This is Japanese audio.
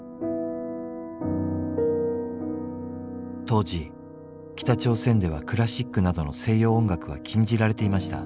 当時北朝鮮ではクラシックなどの西洋音楽は禁じられていました。